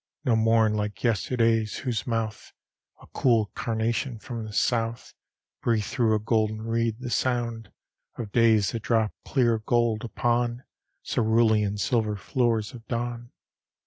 No morn like yesterday's! whose mouth, A cool carnation, from the south Breathed through a golden reed the sound Of days that drop clear gold upon Cerulean silver floors of dawn.